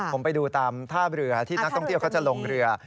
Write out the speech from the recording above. ผมไปดูตามท่าเรือที่นักท่องเที่ยวเขาจะลงเรือ